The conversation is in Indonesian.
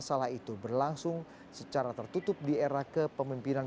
masalah itu berlangsung secara tertutup di era kepemimpinan